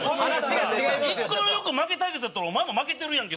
１個目の欲負け対決やったらお前も負けてるやんけ